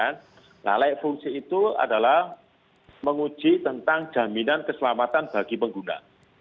nah layak fungsi itu adalah menguji tentang jaminan keselamatan bagi pengguna